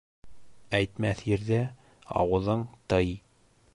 Әйтмәҫ ерҙә ауыҙың тый